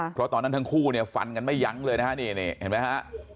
เพราะตอนนั้นทั้งคู่เนี่ยฟันกันไม่ยั้งเลยนะฮะนี่เห็นไหมฮะ